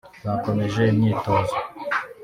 bakomeje imyitozo